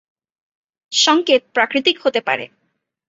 সংকেত প্রাকৃতিক হতে পারে।